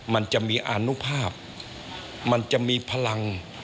มันจะมีอานุภาพมันจะมีพลัง